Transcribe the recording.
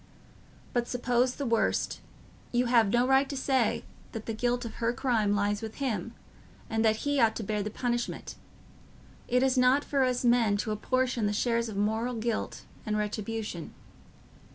But suppose the worst: you have no right to say that the guilt of her crime lies with him, and that he ought to bear the punishment. It is not for us men to apportion the shares of moral guilt and retribution.